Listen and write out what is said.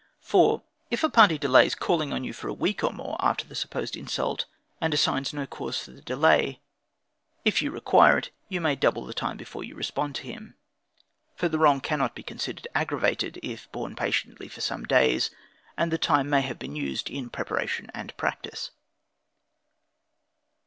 4. If a party delays calling on you for a week or more, after the supposed insult, and assigns no cause for the delay, if you require it, you may double the time before you respond to him; for the wrong cannot be considered aggravated; if borne patiently for some days, and the time may have been used in preparation and practice.